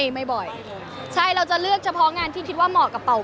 ไม่บ่อยใช่เราจะเลือกเฉพาะงานที่คิดว่าเหมาะกับเป่า